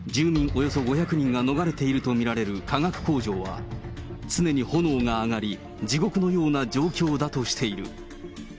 およそ５００人が逃れていると見られる化学工場は、常に炎が上がり、地獄のような状況だとしている。